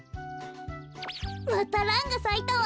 またランがさいたわ。